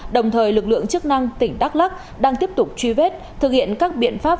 đồng thời lực lượng chức năng tỉnh đắk lắc đang tiếp tục truy vết thực hiện các biện pháp